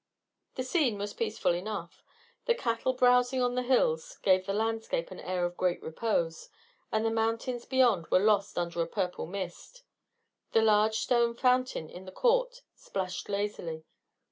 The scene was peaceful enough. The cattle browsing on the hills gave the landscape an air of great repose, and the mountains beyond were lost under a purple mist. The large stone fountain in the court splashed lazily.